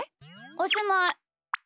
おしまい。